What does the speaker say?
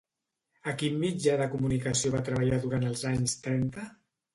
A quin mitjà de comunicació va treballar durant els anys trenta?